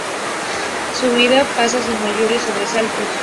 Su vida pasa sin mayores sobresaltos.